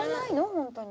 本当に？